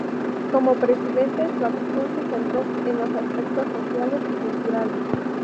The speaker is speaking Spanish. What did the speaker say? Como presidente, su acción se centró en los aspectos sociales y culturales.